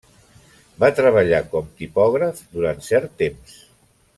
Va treballar com tipògraf durant cert temps.